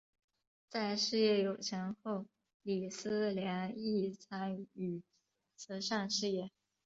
在事业有成后李思廉亦参与慈善事业。